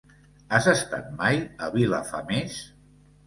Has estat mai a Vilafamés?